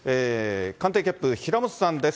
官邸キャップ、平本さんです。